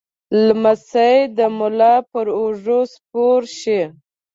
لمسی د ملا پر اوږه سپور شي.